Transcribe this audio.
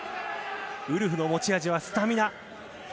ウルフの持ち味はスタミナ。